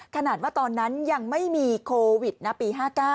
ขนาดว่าตอนนั้นยังไม่มีโควิดนะปี๕๙